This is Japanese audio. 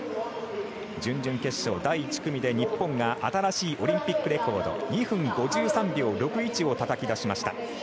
準々決勝、第１組で日本が新しいオリンピックレコード２分５３秒６１をたたき出しました。